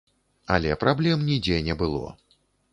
Але праблем нідзе не было.